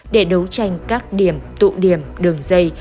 để đấu tranh các điểm tụ điểm đường dây